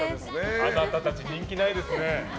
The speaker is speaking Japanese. あなたたち、人気ないですね。